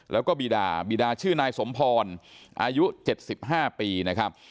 แล้วก็บีดาบีดาชื่อนายสมพรอายุเจ็ดสิบห้าปีนะครับ